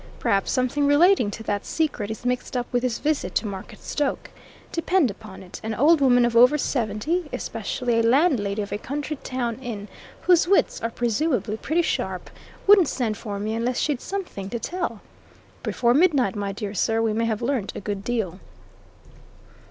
Perhaps something relating to that secret is mixed up with his visit to Marketstoke. Depend upon it, an old woman of over seventy especially a landlady of a country town inn, whose wits are presumably pretty sharp wouldn't send for me unless she'd something to tell. Before midnight, my dear sir, we may have learnt a good deal."